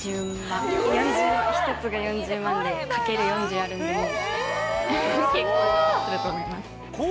１つが４０万で掛ける４０あるので結構すると思います。